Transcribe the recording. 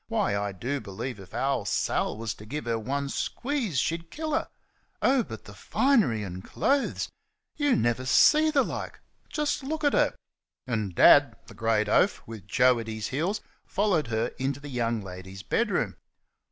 Why, I do believe if our Sal was to give her one squeeze she'd kill her. Oh, but the finery and clothes! Y' never see the like! Just look at her!" And Dad, the great oaf, with Joe at his heels, followed her into the young lady's bedroom.